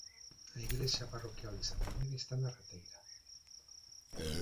A igrexa parroquial de San Mamede está na Rateira.